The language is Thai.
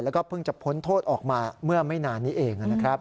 แล้วก็เพิ่งจะพ้นโทษออกมาเมื่อไม่นานนี้เองนะครับ